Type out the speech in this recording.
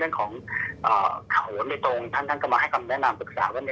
ซึ่งก็ประมาณวันที่๒๗๒๘ก็จะส่งงานให้เขาดู